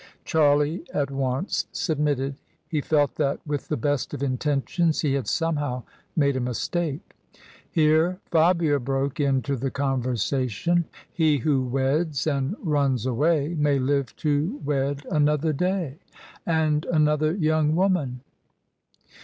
Charlie at once submitted. He felt that, with the best of intentions, he had somehow made a mistake. Here Fabia broke into the conversation :" He who weds and runs away. May live to wed another day, — and another young woman."